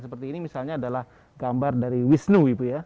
seperti ini misalnya adalah gambar dari wisnu